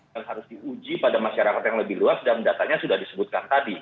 yang harus diuji pada masyarakat yang lebih luas dan datanya sudah disebutkan tadi